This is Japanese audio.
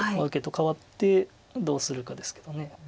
受けと換わってどうするかですけど。